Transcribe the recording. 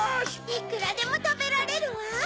いくらでもたべられるわ！